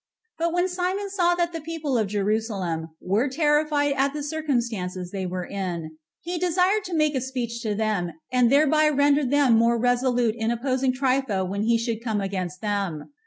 But when Simon saw that the people of Jerusalem were terrified at the circumstances they were in, he desired to make a speech to them, and thereby to render them more resolute in opposing Trypho when he should come against them.